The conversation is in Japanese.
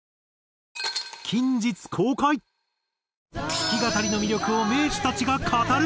弾き語りの魅力を名手たちが語る。